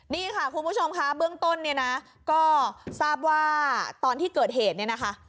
นี่ค่ะคุณผู้ชมค่ะเบื้องต้นเนี่ยนะก็ทราบว่าตอนที่เกิดเหตุเนี่ยนะคะ